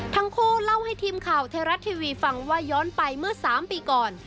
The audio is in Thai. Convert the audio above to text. ทั้งคู่เล่าให้ทีมข่าวไทยรัฐทีวีฟังว่าย้อนไปเมื่อ๓ปีก่อน